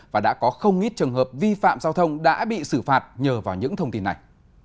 và đã có không ít trường hợp vi phạm giao thông đã bị xử phạt nhờ vào những thông tin này